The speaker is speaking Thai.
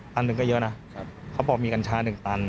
ตันหนึ่งก็เยอะนะเขาบอกมีกัญชา๑ตัน